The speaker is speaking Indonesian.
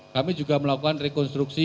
kami juga melakukan rekonstruksi